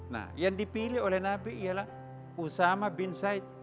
nah yang dipilih oleh nabi ialah usama bin said